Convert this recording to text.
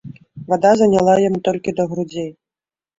Вада заняла яму толькі да грудзей.